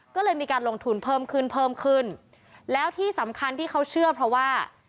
ก็เลยมีการลงทุนเพิ่มขึ้นเพิ่มขึ้นแล้วที่สำคัญที่เขาเชื่อเพราะว่า